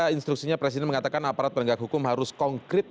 instruksinya presiden mengatakan aparat penegak hukum harus konkret